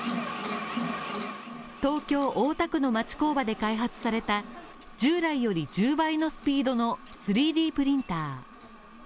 東京・大田区の町工場で開発された、従来より１０倍のスピードの３Ｄプリンター。